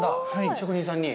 職人さんに？